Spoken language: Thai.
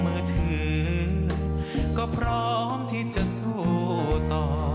เมื่อมองเมือเธอก็พร้อมที่จะสู้ต่อ